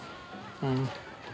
うん。